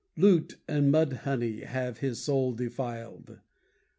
Loot and mud honey have his soul defiled.